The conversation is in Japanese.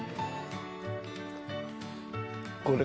これ。